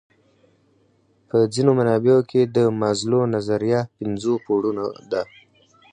په ځینو منابعو کې د مازلو نظریه پنځو پوړونو ده.